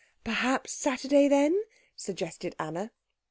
"Perhaps Saturday, then?" suggested Anna.